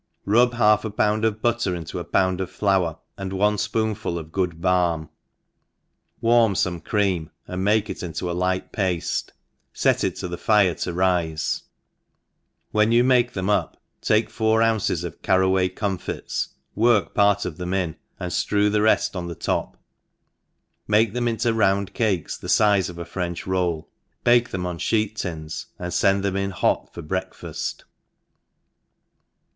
:, RUB half a pound of butter into a pound (A flour, and one fpoQnful of good barm, warmi fome cream, and make it into a light pafte, fee it to the fire to rife, when you make them up, take four ounces of carraway comfits, work part of them in, and flreW the reft on the top,' make them into a round cake, the fize of a French rolf,!^ bake them on iheet tins, and fend them in hot for breakfaft.